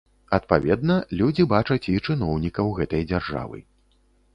Адпаведна, людзі бачаць і чыноўнікаў гэтай дзяржавы.